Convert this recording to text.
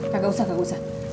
gak usah gak usah